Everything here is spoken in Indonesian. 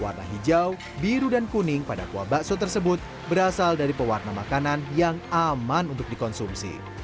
warna hijau biru dan kuning pada kuah bakso tersebut berasal dari pewarna makanan yang aman untuk dikonsumsi